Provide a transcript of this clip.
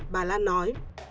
bà lan nói